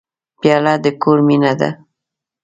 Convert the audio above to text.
پیاله د کور مینه ده.